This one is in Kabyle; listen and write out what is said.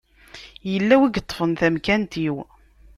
Yella win i yeṭṭfen tamkant-iw.